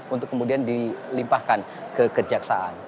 untuk kemudian dilimpahkan kekejaksaan